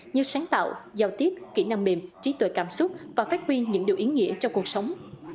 như sáng tạo giao tiếp kỹ năng mềm trí tuệ cảm xúc và phát huyên những điều ý nghĩa trong cuộc sống